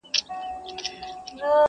او د شپې د اتو بجو مهم خبرونه به ده ويل